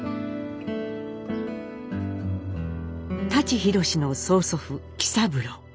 舘ひろしの曽祖父喜三郎。